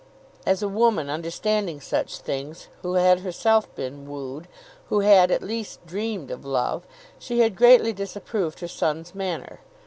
As a woman, understanding such things, who had herself been wooed, who had at least dreamed of love, she had greatly disapproved her son's manner.